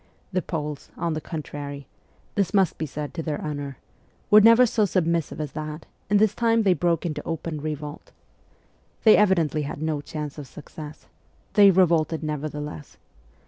The Poles, on the contrary this must be said to their honour were never so submissive as that, and this time they broke into open revolt. They evidently had no chance of success they revolted nevertheless.